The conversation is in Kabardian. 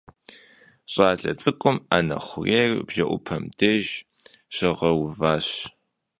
Ş'ale ts'ık'um 'ene xhurêyr bjje'upem dêjj şiğeuvaş.